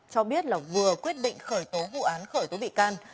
cho biết là vừa quyết định khởi tố vụ án khởi tố bị can